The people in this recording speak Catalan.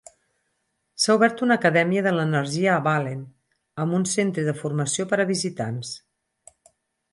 S'ha obert una Acadèmia de l'Energia a Ballen, amb un centre de formació per a visitants.